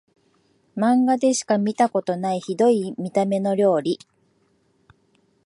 マンガでしか見たことないヒドい見た目の料理